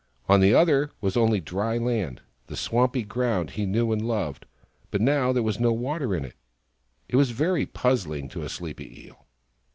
On the other was only dry land — the swampy ground he knew and loved, but now there was no water in it. It was very puzzling to a sleepy Eel.